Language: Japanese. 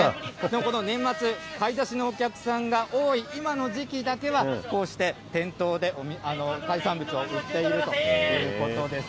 この年末、買い出しのお客さんが多い今の時期だけは、こうして店頭で海産物を売っているということです。